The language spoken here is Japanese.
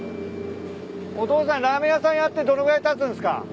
お父さんラーメン屋さんやってどのぐらいたつんすか？